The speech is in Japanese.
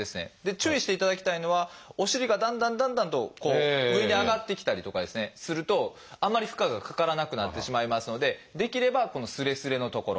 注意していただきたいのはお尻がだんだんだんだんと上に上がってきたりとかするとあまり負荷がかからなくなってしまいますのでできればこのすれすれのところ。